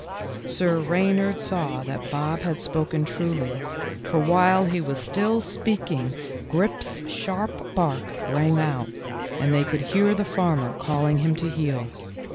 Sir Reynard saw that Bob had spoken truly, BOB'S REVENGE. 145 for while he was still speaking Grip's sharp bark rang out, and they could hear the farmer calling him to heel.